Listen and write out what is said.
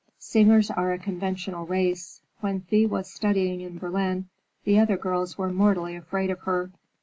Singers are a conventional race. When Thea was studying in Berlin the other girls were mortally afraid of her.